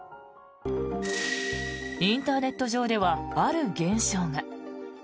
インターネット上ではある現象が。